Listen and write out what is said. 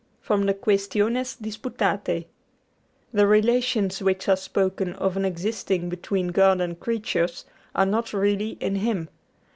From the 'Quæstiones Disputatæ' The relations which are spoken of as existing between God and creatures are not really in Him.